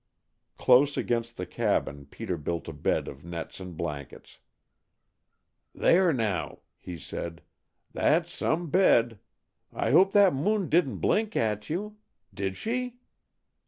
Close against the cabin Peter built a bed of nets and blankets. "There, now!" he said. "That's some bed! I hope that moon didn't blink at you. Did she?"